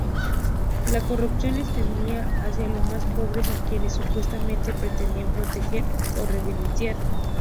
La corrupción extendida hacia los más pobres, a quienes supuestamente pretendían proteger o reivindicar.